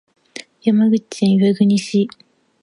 山口県岩国市